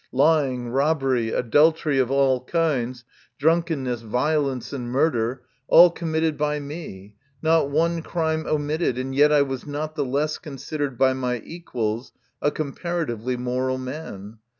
Lying, robbery, adultery of all kinds, drunkenness, violence, and murder, all committed by me, not one crime omitted, and yet I was not the less considered by my equals a comparatively moral man.